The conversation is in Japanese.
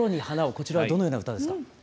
こちらはどのような歌ですか？